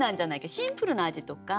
シンプルな味とか。